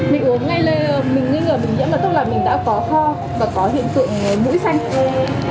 mình uống ngay lê mình nghi ngờ bình yên là tốt là mình đã có ho và có hiện tượng mũi xanh